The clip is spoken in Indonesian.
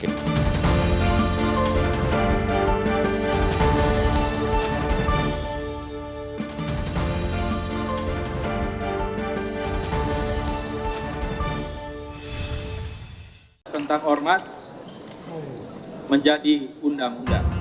tentang ormas menjadi undang undang